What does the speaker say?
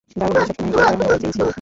দারুণ, আমি সবসময়েই কয়েকটা ভাই চেয়েছিলাম।